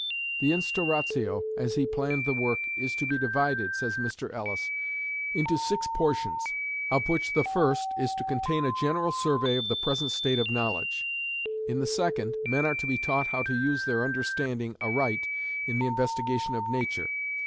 The Instauratio, as he planned the work, "is to be divided," says Mr. Ellis, "into six portions, of which the first is to contain a general survey of the present state of knowledge. In the second, men are to be taught how to use their understanding aright in the investigation of nature.